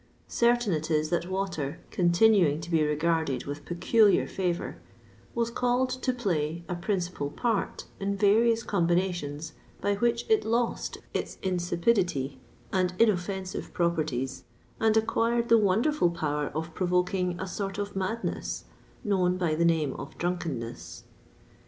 Certain it is that water, continuing to be regarded with peculiar favour, was called to play a principal part in various combinations by which it lost its insipidity and inoffensive properties, and acquired the wonderful power of provoking a sort of madness, known by the name of drunkenness.